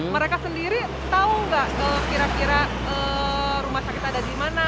mereka sendiri tahu nggak kira kira rumah sakit ada di mana